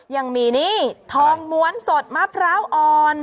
ยังมีนี่ทองม้วนสดมะพร้าวอ่อน